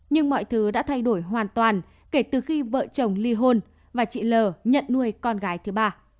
nhưng mọi thứ đã thay đổi hoàn toàn kể từ khi vợ chồng ly hôn và chị l nhận nuôi con gái thứ ba